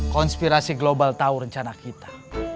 konspirasi global tahu rencana kita